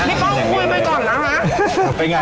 พี่ป้องคุยไปก่อนนะฮะ